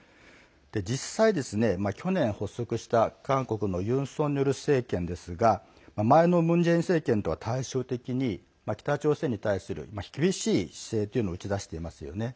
実際、去年発足した、韓国のユン・ソンニョル政権ですが前のムン・ジェイン政権とは対照的に北朝鮮に対する厳しい姿勢というのを打ち出していますよね。